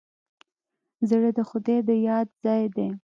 زړه د خدای د یاد ځای دی.